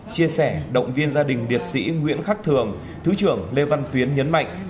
chia sẻ động viên gia đình liệt sĩ nguyễn khắc thường thứ trưởng lê văn tuyến nhấn mạnh